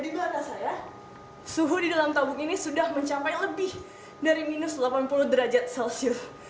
di belakang saya suhu di dalam tabung ini sudah mencapai lebih dari minus delapan puluh derajat celcius